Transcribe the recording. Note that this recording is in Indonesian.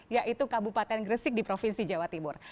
yaitu kabupaten gresik di provinsi jawa timur